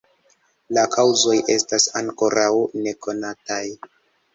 La kaŭzoj estas ankoraŭ nekonataj.